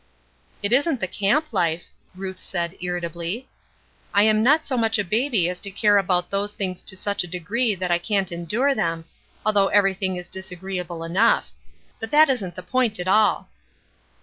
"It isn't the camp life," Ruth said, irritably. "I am not so much a baby as to care about those things to such a degree that I can't endure them, though everything is disagreeable enough; but that isn't the point at all."